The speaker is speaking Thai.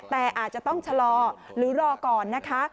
แต่อาจจะต้องชะลอหรือรอก่อนนะคะ